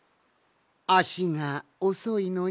あしがおそいのに？